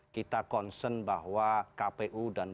kita concern bahwa kpu dan